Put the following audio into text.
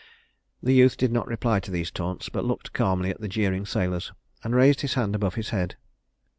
The youth did not reply to these taunts, but looked calmly at the jeering sailors, and raised his hand above his head.